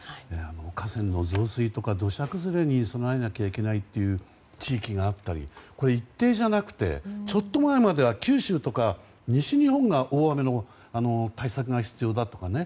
河川の増水とか土砂崩れに備えなきゃいけない地域があったりこれは一定じゃなくてちょっと前までは九州とか西日本が大雨の対策が必要だとかね。